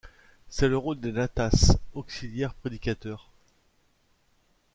C'est le rôle des natas, auxiliaires prédicateurs.